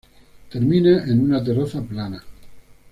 Termina en una terraza plana.